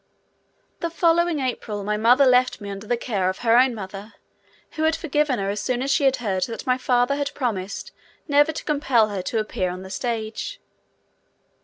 The following April my mother left me under the care of her own mother, who had forgiven her as soon as she had heard that my father had promised never to compel her to appear on the stage.